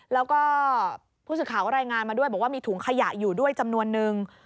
แล้วก็ผู้สื่อข่าวก็รายงานมาด้วยบอกว่ามีถุงขยะอยู่ด้วยจำนวนนึง